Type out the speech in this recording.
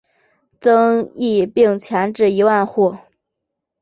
增邑并前至一万户。